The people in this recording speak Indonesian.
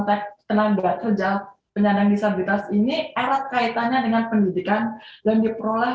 tenaga kerja penyandang disabilitas ini erat kaitannya dengan pendidikan dan diperoleh